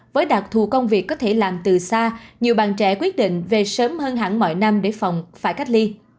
với đặc thù công việc có thể làm từ xa nhiều bạn trẻ quyết định về sớm hơn hẳn mọi năm để phòng phải cách ly